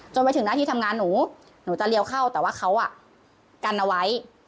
ไปถึงหน้าที่ทำงานหนูหนูจะเลี้ยวเข้าแต่ว่าเขากันเอาไว้